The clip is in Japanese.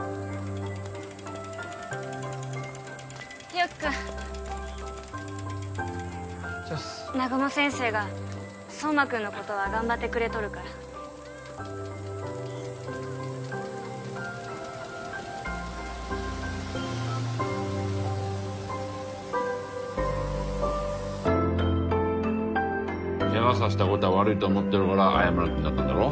日沖君チワッス南雲先生が壮磨君のことは頑張ってくれとるからケガさせたことは悪いと思ってるから謝る気になったんだろ？